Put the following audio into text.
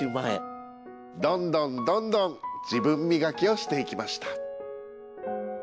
どんどんどんどん自分磨きをしていきました。